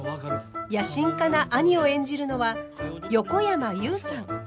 野心家な兄を演じるのは横山裕さん。